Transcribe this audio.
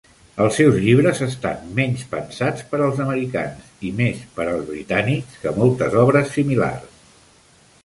Els seus llibres estan menys pensats per als americans i més per als britànics que moltes obres similars.